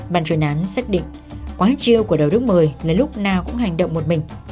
bàn truyền án xác định quá chiêu của đậu đức một mươi là lúc nào cũng hành động một mình